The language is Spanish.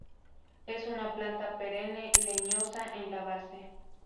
Es una planta perenne, leñosa en la base.